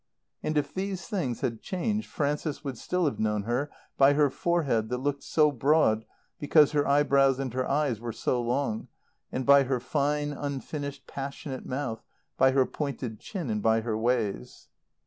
And if these things had changed Frances would still have known her by her forehead that looked so broad because her eyebrows and her eyes were so long, and by her fine, unfinished, passionate mouth, by her pointed chin and by her ways.